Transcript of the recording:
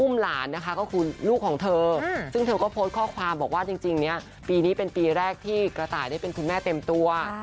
ก็คือลูกของเธอซึ่งเธอก็โพสต์ข้อความบอกว่าจริงเนี่ยปีนี้เป็นปีแรกที่กระต่ายได้เป็นคุณแม่เต็มตัว